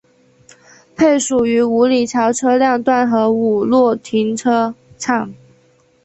配属于五里桥车辆段和五路停车场。